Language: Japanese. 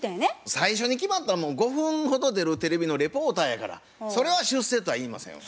最初に決まったもん５分ほど出るテレビのリポーターやからそれは出世とは言いませんわ。